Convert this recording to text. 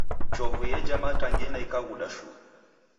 Chovu yeja matangina ikaghuda shuu.